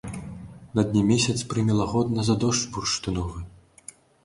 На дне месяц прыме лагодна за дождж бурштыновы.